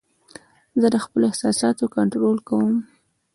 زه د خپلو احساساتو کنټرول کوم.